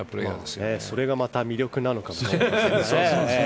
それがまた魅力なのかもしれませんけどね。